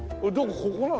ここなの？